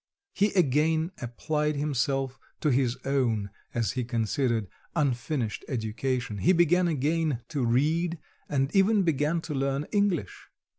He again applied himself to his own, as he considered, unfinished education; he began again to read, and even began to learn English.